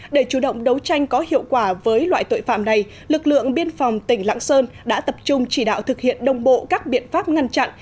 để chủ động đấu tranh có hiệu quả với loại tội phạm này lực lượng biên phòng tỉnh lạng sơn đã tập trung chỉ đạo thực hiện đồng bộ các biện pháp ngăn chặn